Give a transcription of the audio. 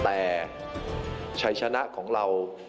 แต่ชัยชนะของเรา